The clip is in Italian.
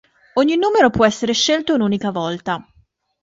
Ogni numero può essere scelto un'unica volta.